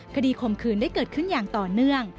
คมคืนได้เกิดขึ้นอย่างต่อเนื่อง